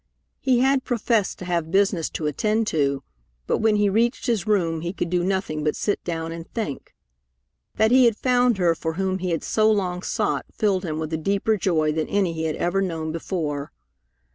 He had professed to have business to attend to, but when he reached his room he could do nothing but sit down and think. That he had found her for whom he had so long sought filled him with a deeper joy than any he had ever known before.